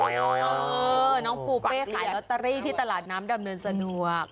น้องปูเป้ขายลอตเตอรี่ที่ตลาดน้ำดำเนินสะดวก